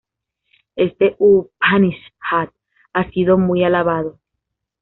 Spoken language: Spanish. Este "Upanishad" ha sido muy alabado.